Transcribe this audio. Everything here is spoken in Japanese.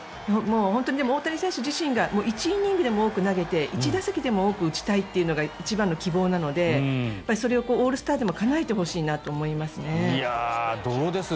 大谷選手自身が１イニングでも多く投げて１打席でも多く打ちたいというのが一番の希望なのでそれをオールスターでもかなえてほしいなと思いますね。